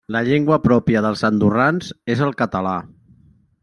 La llengua pròpia dels andorrans és el català.